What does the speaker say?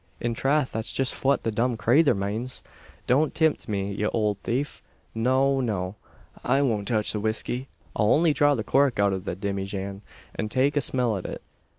In trath that's just fwhat the dumb crayther manes! Don't timpt me, ye owld thief! No no; I won't touch the whisky. I'll only draw the cork out av the dimmyjan, an take a smell at it.